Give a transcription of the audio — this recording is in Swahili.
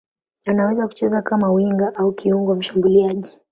Anaweza kucheza kama winga au kiungo mshambuliaji.